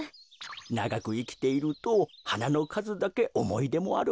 ながくいきているとはなのかずだけおもいでもあるものですよ。